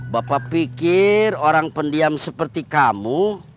bapak pikir orang pendiam seperti kamu